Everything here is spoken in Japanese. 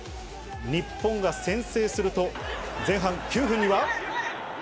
日本が先制すると前半９分には。